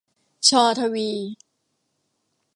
ช ทวี